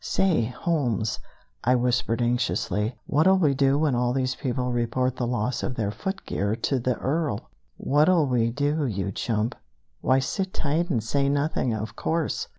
"Say, Holmes," I whispered anxiously, "what'll we do when all these people report the loss of their footgear to the Earl?" "What'll we do, you chump? Why, sit tight and say nothing, of course.